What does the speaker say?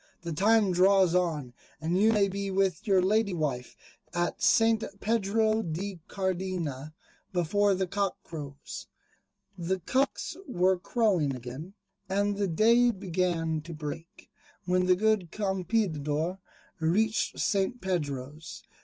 The time draws on, and you may be with your Lady Wife at St. Pedro de Cardena, before the cock crows." The cocks were crowing again, and the day began to break, when the good Campeador reached St. Pedro's.